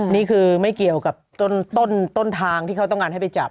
นี่คือไม่เกี่ยวกับต้นทางที่เขาต้องการให้ไปจับ